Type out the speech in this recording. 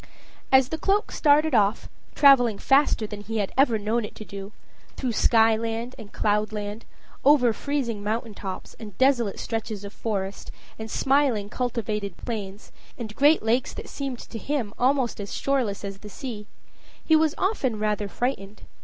As the cloak started off, traveling faster than he had ever known it to do, through sky land and cloud land, over freezing mountain tops, and desolate stretches of forest, and smiling cultivated plains, and great lakes that seemed to him almost as shoreless as the sea, he was often rather frightened.